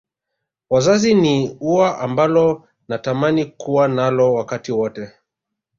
Wazazi ni ua ambalo natamani kuwa nalo wakati wote